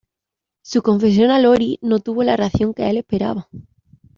Su confesión a Lori no tuvo la reacción que el esperaba.